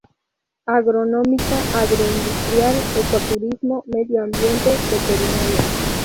Agronómica, Agroindustrial, Ecoturismo, Medio Ambiente, Veterinaria.